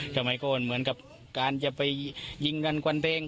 ทำให้ก็เหมือนกับการจะไปยิงดันกวันเตง